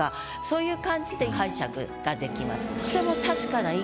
そういう感じで解釈ができます。